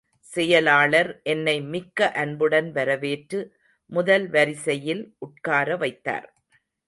செயலாளர் என்னை மிக்க அன்புடன் வரவேற்று முதல் வரிசையில் உட்கார வைத்தார்.